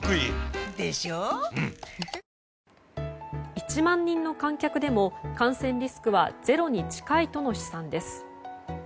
１万人の観客でも感染リスクはゼロに近いとの試算です。